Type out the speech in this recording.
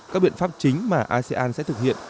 các biện pháp chính mà asean sẽ thực hiện